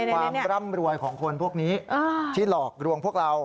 ความร่ำรวยของคนพวกนี้ที่หลอกลวงพวกเรา